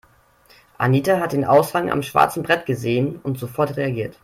Anita hat den Aushang am schwarzen Brett gesehen und sofort reagiert.